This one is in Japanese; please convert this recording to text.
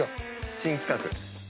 新企画。